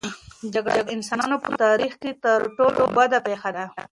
جګړه د انسانانو په تاریخ کې تر ټولو بده پېښه ده.